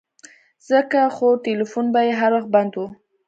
ځکه خو ټيلفون به يې هر وخت بند و.